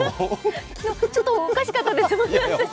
昨日、ちょっとおかしかったですよね。